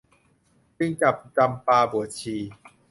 จึงจับจำปาบวชชี